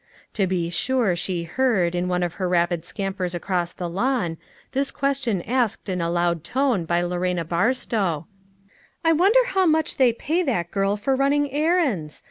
To be sure she heard, in one of her rapid ecampers across the lawn, this question asked 318 LITTLE FISHERS: AND THEIR NETS. in a loud tone by Lorena Barstow :" I won der how much they pay that girl for running errands?